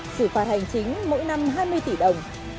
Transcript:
xử phạt hành chính mỗi năm hai mươi tỷ đồng